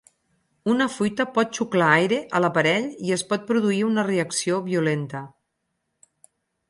Una fuita pot xuclar aire a l'aparell i es pot produir una reacció violenta.